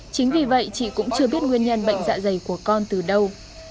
chính vì vậy chị cũng chưa biết nguyên nhân bệnh dạ dày của con từ đâu